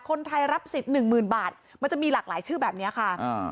คนไทยรับสิทธิ์หนึ่งหมื่นบาทมันจะมีหลากหลายชื่อแบบเนี้ยค่ะอ่า